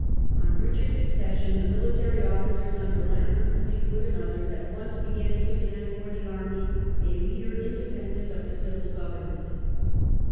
On Richard's accession, the military officers under Lambert, Fleetwood, and others at once began to demand for the army a leader independent of quarrel with the civil government.